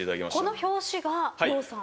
この表紙がＹＯＨさん？